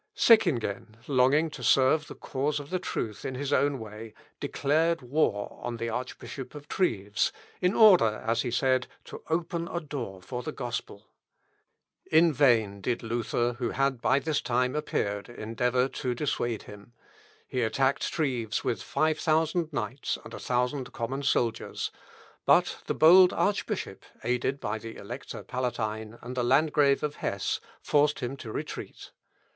Seckingen, longing to serve the cause of truth in his own way, declared war on the Archbishop of Treves, "in order," as he said, "to open a door for the gospel." In vain did Luther, who had by this time appeared, endeavour to dissuade him; he attacked Treves with five thousand knights and a thousand common soldiers, but the bold archbishop, aided by the Elector Palatine and the Landgrave of Hesse, forced him to retreat.